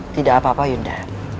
tidak apa apa yunda